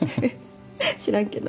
知らんけど。